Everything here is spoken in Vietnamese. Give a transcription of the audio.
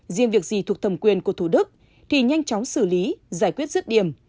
riêng việc gì thuộc thẩm quyền của thủ đức thì nhanh chóng xử lý giải quyết rứt điểm